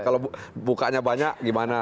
kalau bukanya banyak gimana